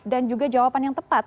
dan juga jawaban yang tepat